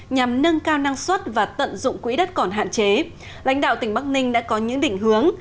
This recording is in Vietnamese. nhằm nâng cao năng suất và tận dụng quỹ đất còn hạn chế lãnh đạo tỉnh bắc ninh đã có những định hướng